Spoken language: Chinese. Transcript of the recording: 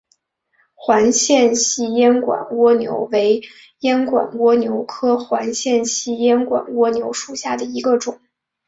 环线细烟管蜗牛为烟管蜗牛科环线细烟管蜗牛属下的一个种。